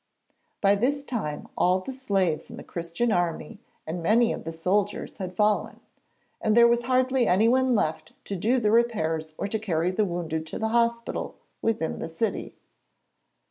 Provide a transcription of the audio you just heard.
By this time all the slaves in the Christian army and many of the soldiers had fallen, and there was hardly anyone left to do the repairs or to carry the wounded to the Hospital within the city.